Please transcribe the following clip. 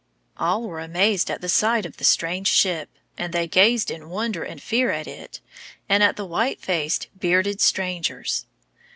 All were amazed at the sight of the strange ship, and they gazed in wonder and fear at it and at the white faced, bearded strangers.